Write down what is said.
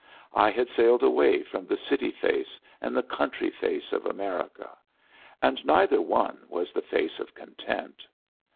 I had sailed away from the city face and the country face of America, and neither one was the face of content.